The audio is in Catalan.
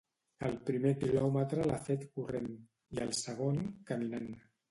El primer quilòmetre l'ha fet corrent, i el segon, caminant.